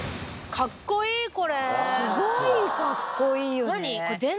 すごいかっこいいよね。